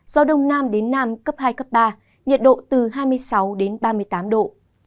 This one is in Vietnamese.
gió đông nam đến nam cấp hai cấp ba nhiệt độ từ hai mươi sáu đến ba mươi tám độ